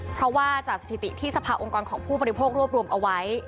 เพราะว่าจากสถิติที่สภาองค์กรของผู้บริโภครวบรวมเอาไว้